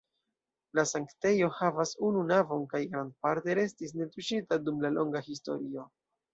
La sanktejo havas unu navon kaj grandparte restis netuŝita dum la longa historio.